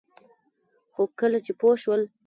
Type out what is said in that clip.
خو کله چې پوه شول